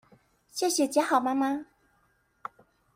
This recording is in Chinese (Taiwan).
謝謝家豪媽媽